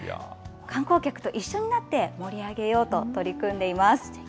観光客と一緒になって盛り上げようと取り組んでいます。